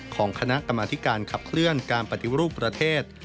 ของคณะกรรมธิการขับเคลื่อนการปฏิรูปประเทศ